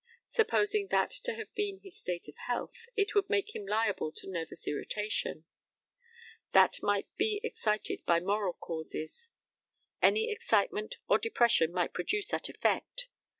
Supposing that to have been his state of health, it would make him liable to nervous irritation. That might be excited by moral causes. Any excitement or depression might produce that effect.